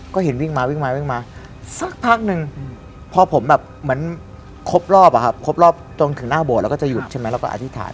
ก็เห็นวิ่งมาวิ่งมาสักพักหนึ่งเพราะผมแบบเหมือนครบรอบครบรอบตรงถึงหน้าโบดก็จะหยุดชินมั้ยเราก็อธิษฐาน